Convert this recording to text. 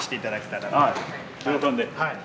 喜んで。